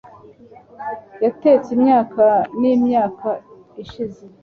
yatetse imyaka n'imyaka ishize